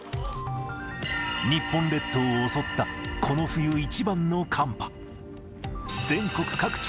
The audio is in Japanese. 日本列島を襲った、この冬一番の寒波。